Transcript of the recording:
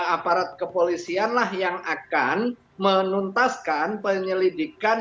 aparat kepolisian lah yang akan menuntaskan penyelidikan